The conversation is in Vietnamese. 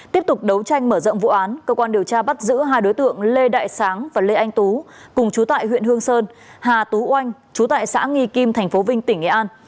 tiếp tục đấu tranh mở rộng vụ án cơ quan điều tra bắt giữ hai đối tượng lê đại sáng và lê anh tú cùng chú tại huyện hương sơn hà tú oanh chú tại xã nghi kim tp vinh tỉnh nghệ an